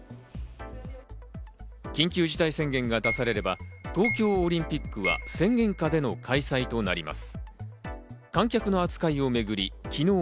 緊急事態宣言が出されれば、東京オリンピックは宣言下での開催となります。